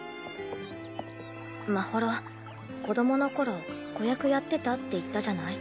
まほろ子どもの頃子役やってたって言ったじゃない？